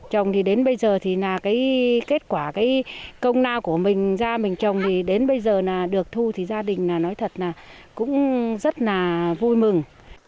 trồng thì đến bây giờ thì kết quả công nào của mình ra mình trồng thì đến bây giờ được thu thì gia đình nói thật là cũng rất vui mừng